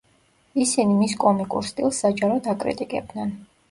ისინი მის კომიკურ სტილს საჯაროდ აკრიტიკებდნენ.